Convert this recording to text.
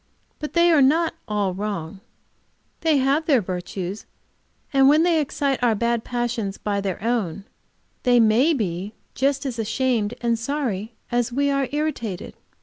But they are not all wrong; they have their virtues, and when they excite our bad passions by their own, they may be as ashamed and sorry as we are irritated.